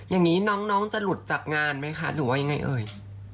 อย่างนี้น้องจะหลุดจากงานไหมคะหรือว่ายังไงเอ่ย